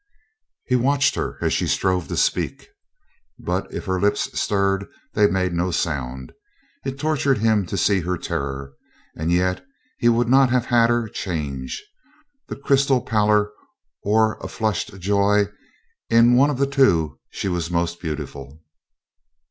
He watched her as she strove to speak, but if her lips stirred they made no sound. It tortured him to see her terror, and yet he would not have had her change. This crystal pallor or a flushed joy in one of the two she was most beautiful.